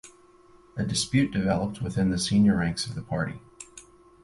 A dispute developed within the senior ranks of the party.